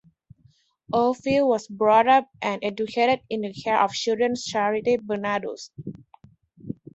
Oldfield was brought up and educated in the care of children's charity, Barnardo's.